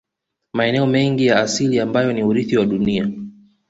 Maeneo mengi ya asili ambayo ni urithi wa dunia